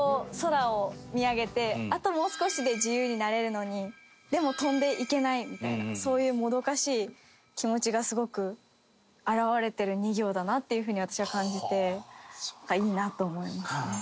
あともう少しで自由になれるのにでも飛んでいけないみたいなそういうもどかしい気持ちがすごく表れてる２行だなっていうふうに私は感じていいなと思いますね。